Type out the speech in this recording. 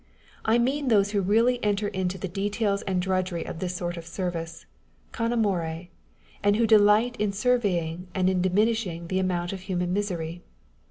I mean those who really enter into the details and drudgery of this sort of service, con amore, and who delight in surveying and in diminishing the amount of human misery.